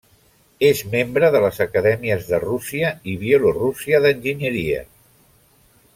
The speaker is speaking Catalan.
És membre de les Acadèmies de Rússia i Bielorússia d'Enginyeria.